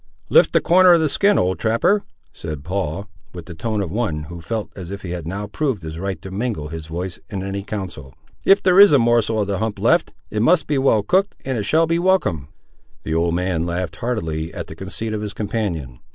"Lift the corner of the skin, old trapper," said Paul, with the tone of one, who felt, as if he had now proved his right to mingle his voice in any council; "if there is a morsel of the hump left, it must be well cooked, and it shall be welcome." The old man laughed, heartily, at the conceit of his companion.